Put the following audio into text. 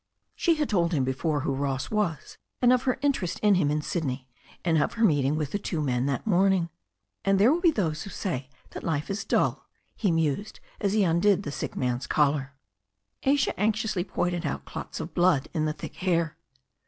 She had told him before who Ross was, and of her in terest in him in Sydney, and of her meeting with the two men that morning. "And there be those who say that life is dull," he mused as he undid the sick man's collar. THE STORY OF A NEW ZEALAND RIVER 277 Asia anxiously pointed out clots of blood in the thick hair.